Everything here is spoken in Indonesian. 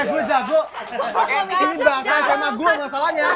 ini makanya sama gue masalahnya